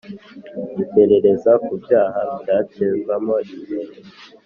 iperereza ku byaha ryatezwamo imbere